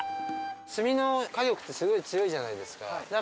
炭の火力ってすごい強いじゃないですか。